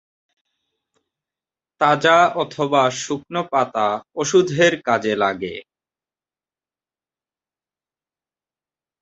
তাজা অথবা শুকনো পাতা ওষুধের কাজে লাগে।